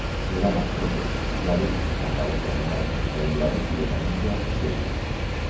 Serán as propias entidades as encargadas de abonar as mensualidades directamente ás caseiras.